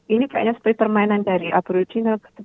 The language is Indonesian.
ini kayaknya seperti permainan dari aprocino